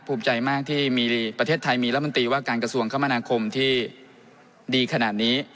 ภูมิใจมากที่มีประเทศไทยมีรัฐมนตรีว่าการกระทรวงคมนาคมที่ดีขนาดนี้